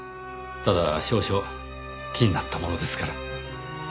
ただ少々気になったものですから。